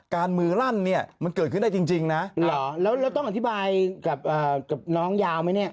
มือลั่นเนี่ยมันเกิดขึ้นได้จริงนะแล้วต้องอธิบายกับน้องยาวไหมเนี่ย